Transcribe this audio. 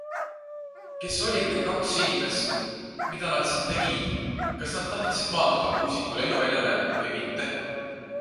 Kes olid need kaks inimest, mida nad siin tegid, kas nad tahtsid maanduda Kuusiku lennuväljale või mitte.